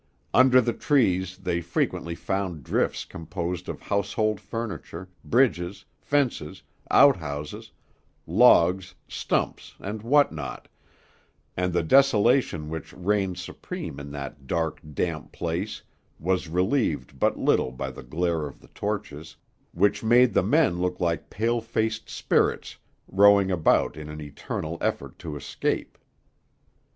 Under the trees they frequently found drifts composed of household furniture, bridges, fences, out houses, logs, stumps, and what not, and the desolation which reigned supreme in that dark, damp place was relieved but little by the glare of the torches, which made the men look like pale faced spirits rowing about in an eternal effort to escape.